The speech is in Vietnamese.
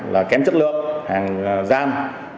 là kém chất lượng hàng giam